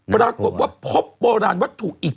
ปรากฏว่าพบโบราณวัตถุอีก